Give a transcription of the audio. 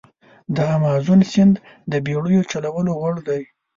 د امازون سیند د بېړیو چلولو وړ دی.